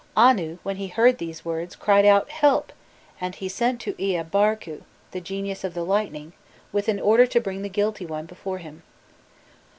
Anu, when he heard these words, cried out: 'Help!'" and he sent to Ea Barku, the genius of the lightning, with an order to bring the guilty one before him.